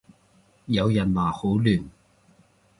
有人話好亂